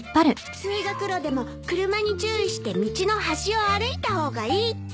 通学路でも車に注意して道の端を歩いた方がいいって。